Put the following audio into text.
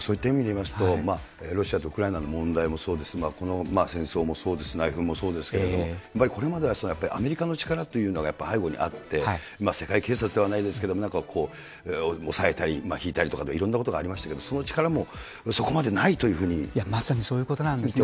そういった意味でいいますと、ロシアとウクライナの問題もそうです、この戦争もそうです、内紛もそうですけれども、これまではアメリカの力というのがやっぱり背後にあって、世界警察ではないですけれども、なんかこう、押さえたり引いたりとか、いろんなことがありましたけど、その力まさにそういうことなんですね。